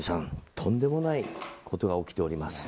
とんでもないことが起きております。